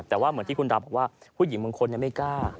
แต่ว่าเหมือนที่คุณดับว่าผู้หญิงบริมงคลเนี้ยไม่กล้า